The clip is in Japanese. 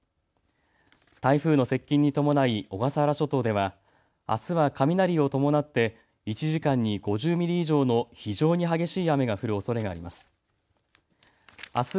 台風の接近に伴い小笠原諸島ではあすは雷を伴って１時間に５０ミリ以上の非常に激しい雨が降るおそれがあります。